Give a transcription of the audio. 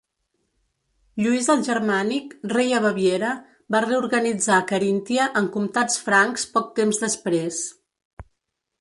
Lluís el Germànic, rei a Baviera, va reorganitzar Caríntia en comtats francs poc temps després.